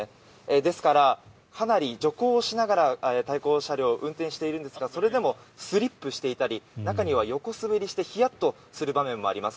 ですからかなり徐行しながら対向車両、運転しているんですがそれでもスリップしていたり中には横滑りしてヒヤッとする場面もあります。